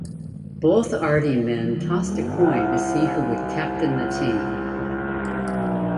Both Ardee men tossed a coin to see who would captain the team.